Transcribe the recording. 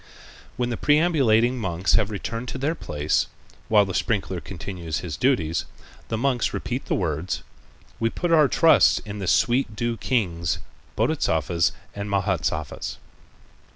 When the perambulating monks have returned to their place, while the sprinkler continues his duties, the monks repeat the words: "We put our trust in the sweet dew kings, Bodhisattvas and Mahâsattvas."